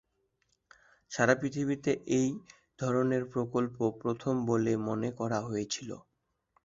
সারা পৃথিবীতে এই ধরনের প্রকল্প প্রথম বলে মনে করা হয়েছিল।